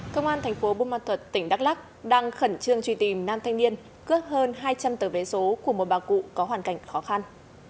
công an thành phố bù ma thuật tỉnh đắk lắc đang khẩn trương truy tìm nam thanh niên cướp hơn hai trăm linh tờ vé số của một bà cụ có hoàn cảnh khó khăn